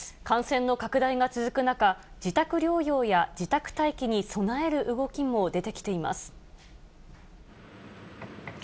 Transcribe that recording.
感染の拡大が続く中、自宅療養や自宅待機に備える動きも出てきています。